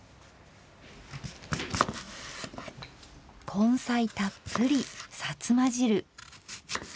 根菜たっぷりさつま汁。